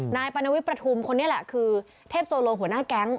นายปรณวิทย์ประทุมคนนี้แหละคือเทพโซโลหัวหน้าแก๊ง